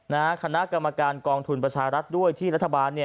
คณะกรรมการกองทุนประชารัฐด้วยที่รัฐบาลเนี่ย